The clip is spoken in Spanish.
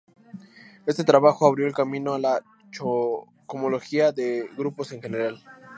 Este trabajo abrió el camino a la cohomología de grupos en general.